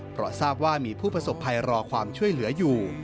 เพราะทราบว่ามีผู้ประสบภัยรอความช่วยเหลืออยู่